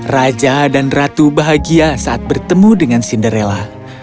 raja dan ratu bahagia saat bertemu dengan cinderella